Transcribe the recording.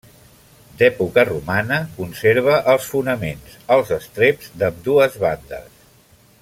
D'època romana, conserva els fonaments, als estreps d'ambdues bandes.